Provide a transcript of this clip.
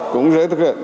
cũng dễ thực hiện